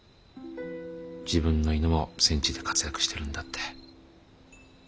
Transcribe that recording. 自分の犬も戦地で活躍してるんだって。